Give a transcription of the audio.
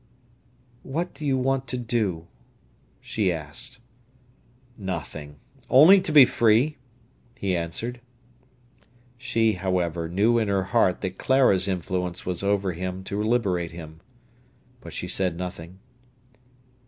"What do you want to do?" she asked. "Nothing—only to be free," he answered. She, however, knew in her heart that Clara's influence was over him to liberate him. But she said nothing.